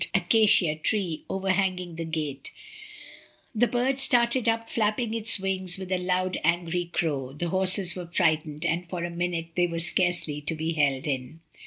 1 43 acacia tree overhanging the gate, the bird started up flapping its wings with a loud angry crow, the horses were frightened, and for a minute they were scarcely to be held in.